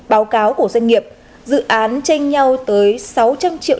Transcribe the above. báo cáo của doanh nghiệp dự án tranh nhau tới sáu trăm linh triệu đồng một ngày